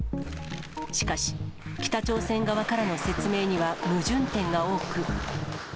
しかし、北朝鮮側からの説明には矛盾点が多く。